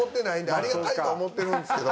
ありがたいと思ってるんですけど。